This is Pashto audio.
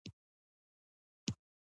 آیا د دولتي کارمندانو معاشونه کم دي؟